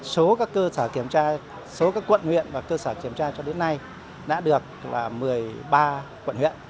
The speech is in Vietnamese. số các cơ sở kiểm tra số các quận huyện và cơ sở kiểm tra cho đến nay đã được là một mươi ba quận huyện